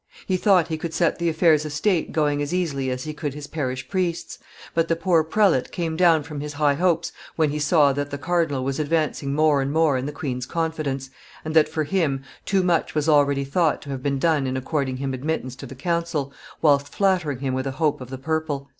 He thought he could set the affairs of state going as easily as he could his parish priests; but the poor prelate came down from his high hopes when he saw that the cardinal was advancing more and more in the queen's confidence, and that, for him, too much was already thought to have been done in according him admittance to the council, whilst flattering him with a hope of the purple."